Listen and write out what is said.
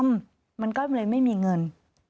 มันก็เลยไม่มีเงิน